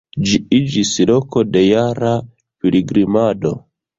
Ĝi iĝis loko de jara pilgrimado.